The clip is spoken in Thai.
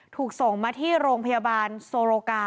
ถูกส่งมาที่โรงพยาบาลโซโรกา